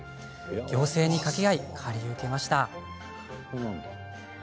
行政に掛け合い借り受けました。